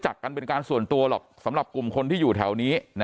กันเป็นการส่วนตัวหรอกสำหรับกลุ่มคนที่อยู่แถวนี้